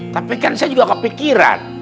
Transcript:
tapi kan saya juga kepikiran